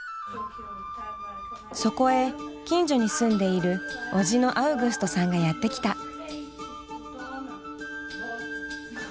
そこへ近所に住んでいる叔父のアウグストさんがやって来た。